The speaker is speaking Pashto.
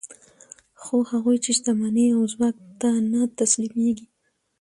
خو هغوی چې شتمنۍ او ځواک ته نه تسلیمېږي